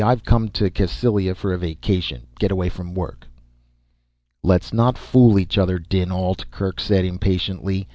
"I've come to Cassylia for a vacation, get away from work." "Let's not fool each other, dinAlt," Kerk said impatiently.